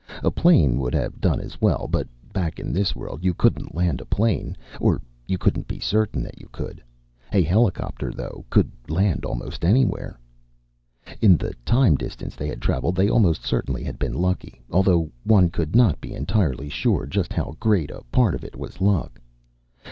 A plane would have done as well, but back in this world, you couldn't land a plane or you couldn't be certain that you could. A helicopter, though, could land almost anywhere. In the time distance they had traveled, they almost certainly had been lucky, although one could not be entirely sure just how great a part of it was luck.